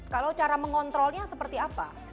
kalau cara mengontrolnya seperti apa